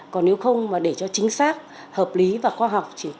còn nếu không mà để cho chính xác hợp lý và khoa học